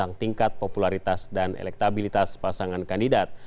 akan menyebabkan tingkat popularitas dan elektabilitas pasangan kandidat